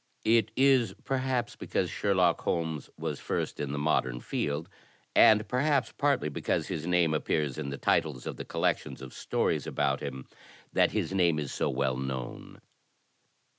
It is perhaps because Sherlock Holmes was first in the modem field, and perhaps partly because his name appears in the titles of the collections of stories about him, that his name is so well known.